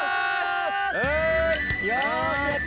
よしやっ